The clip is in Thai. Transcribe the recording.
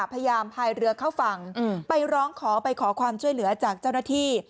พายเรือเข้าฝั่งไปร้องขอไปขอความช่วยเหลือจากเจ้าหน้าที่